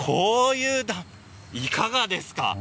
いかがですか？